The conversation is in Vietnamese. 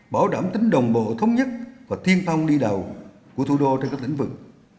bảo đảm tính đồng bộ thống nhất và tiên phong đi đầu của thủ đô trên các lĩnh vực